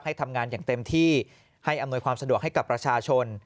ทำงานอย่างเต็มที่ให้อำนวยความสะดวกให้กับประชาชน